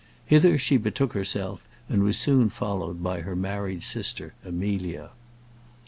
Hither she betook herself, and was soon followed by her married sister Amelia.